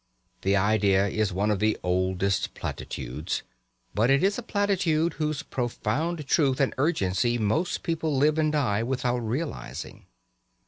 This idea is one of the oldest platitudes, but it is a platitude whose profound truth and urgency most people live and die without realising.